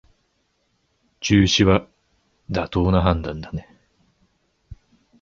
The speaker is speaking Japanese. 中止は妥当な判断だね